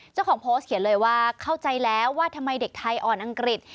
เจ้าของโพสต์เขียนเลยว่าเข้าใจแล้วว่าทำไมเด็กไทยอ่อนอังกฤษ